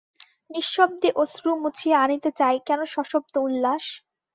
নিঃশব্দে অশ্রু মুছিয়া আনিতে চাই কেন সশব্দ উল্লাস?